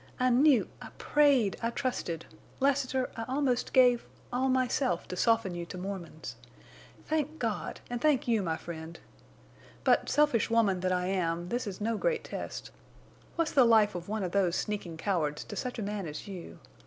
I knew—I prayed—I trusted. Lassiter, I almost gave—all myself to soften you to Mormons. Thank God, and thank you, my friend.... But, selfish woman that I am, this is no great test. What's the life of one of those sneaking cowards to such a man as you?